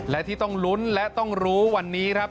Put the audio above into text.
และที่ต้องลุ้นและต้องรู้วันนี้ครับ